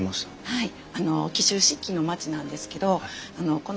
はい。